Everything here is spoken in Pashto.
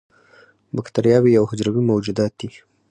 بکتریاوې یو حجروي موجودات دي